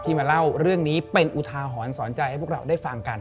มาเล่าเรื่องนี้เป็นอุทาหรณ์สอนใจให้พวกเราได้ฟังกัน